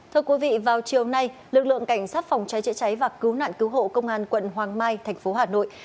thưa quý vị vào chiều nay lực lượng cảnh sát phòng trái trễ trái và cứu nạn cứu hộ công an quận hoàng mai thành phố hà nội